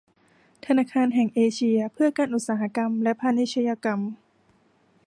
ธนาคารแห่งเอเชียเพื่อการอุตสาหกรรมและพาณิชยกรรม